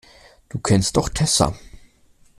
Du kennst doch Tessa.